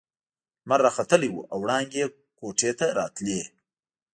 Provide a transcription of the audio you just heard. لمر راختلی وو او وړانګې يې کوټې ته راتلې.